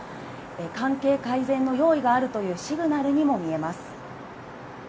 関係改善の用意があるというシグナルにも見えます。